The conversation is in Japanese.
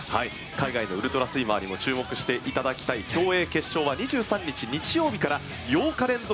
海外のウルトラスイマーにも注目していただきたい競泳決勝は２３日日曜日から８日連続